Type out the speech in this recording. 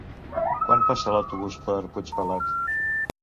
Quan passa l'autobús per Puigpelat?